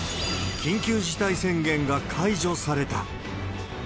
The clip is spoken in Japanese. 緊急事態宣言が解除された。